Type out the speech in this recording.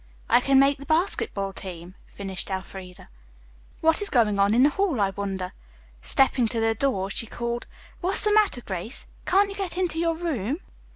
"I can make the basketball team," finished Elfreda. "What is going on in the hall, I wonder?" Stepping to the door she called, "What's the matter, Grace? Can't you get into your room?"